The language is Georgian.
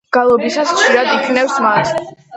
გალობისას ხშირად იქნევს მათ.